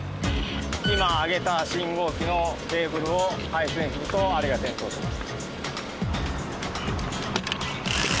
今上げた信号機のケーブルを配線するとあれが点灯します。